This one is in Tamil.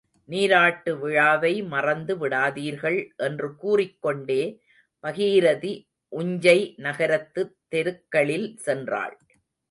நீராட்டு விழாவை மறந்து விடாதீர்கள் என்று கூறிக் கொண்டே பாகீரதி உஞ்சை நகரத்துத் தெருக்களில் சென்றாள்.